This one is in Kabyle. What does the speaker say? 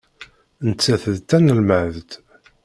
Nettat d tanelmadt.